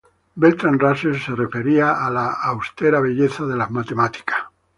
Bertrand Russell se refiere a la "austera belleza" de las matemáticas.